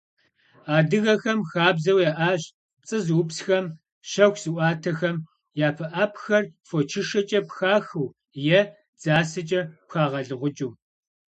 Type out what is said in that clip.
Адыгэхэм хабзэу яӀащ пцӀы зыупсхэм, щэху зыӀуатэхэм я пыӀэпхэр фочышэкӀэ пхахыу е дзасэкӀэ пхагъэлыгъукӀыу.